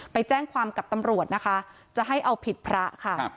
ไปแจ้งความกับตำรวจนะคะจะให้เอาผิดพระค่ะ